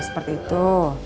oh seperti itu